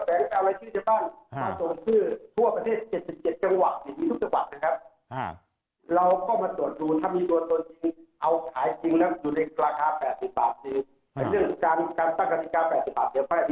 แต่ว่าถ้าเรารู้ว่ามีการสวมจิตเราก็ตัดออกไป